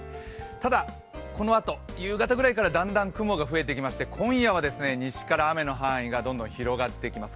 ただ、このあと夕方ぐらいからだんだん雲が増えてきまして、今夜は西から雨の範囲がどんどん広がってきます。